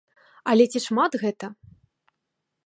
Але ці шмат гэта?